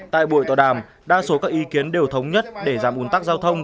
tại buổi tòa đàm đa số các ý kiến đều thống nhất để giảm ủn tắc giao thông